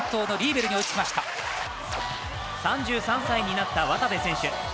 ３３歳になった渡部選手。